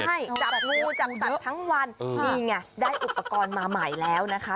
ใช่จับงูจับสัตว์ทั้งวันนี่ไงได้อุปกรณ์มาใหม่แล้วนะคะ